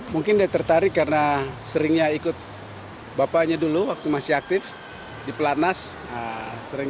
mungkin dia tertarik karena seringnya ikut bapaknya dulu waktu masih aktif di pelatnas sering